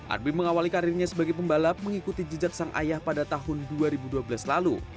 arbi mengawali karirnya sebagai pembalap mengikuti jejak sang ayah pada tahun dua ribu dua belas lalu